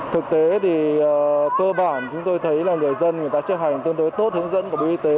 thực tế thì cơ bản chúng tôi thấy là người dân người ta chấp hành tương đối tốt hướng dẫn của bộ y tế